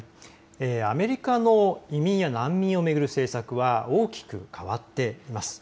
アメリカの移民や難民を巡る政策は大きく変わっています。